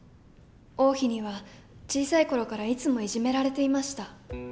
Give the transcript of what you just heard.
王妃には小さい頃からいつもいじめられていました。